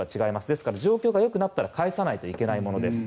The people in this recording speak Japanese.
ですから状況が良くなったら返さないといけないものです。